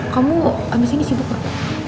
kamu abis ini sibuk pak